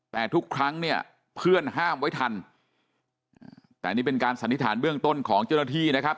แต่ทุกครั้งเนี่ยเพื่อนห้ามไว้ทันแต่นี่เป็นการสันนิษฐานเบื้องต้นของเจ้าหน้าที่นะครับ